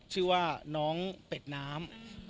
ชื่อว่าน้องเป็ดน้ำ